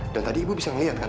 dan tadi ibu bisa ngelihat kan